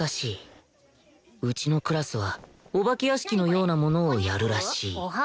うちのクラスはお化け屋敷のようなものをやるらしい